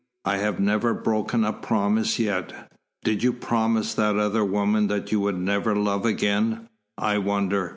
"I have never broken a promise yet." "Did you promise that other woman that you would never love again, I wonder?